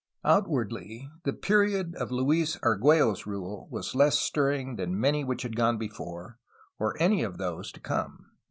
Outwardly the period of Luis Argtiello's rule was less stir ring than many which had gone before or any of those to come.